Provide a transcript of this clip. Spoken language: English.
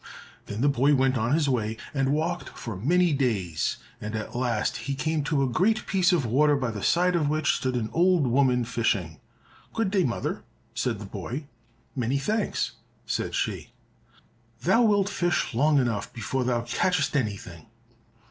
Then the boy went on his way and walked for many days, and at last he came to a great piece of water by the side of which stood an old woman fishing. "Good day, mother," said the boy. "Many thanks," said she. "Thou wilt fish long enough before thou catchest anything."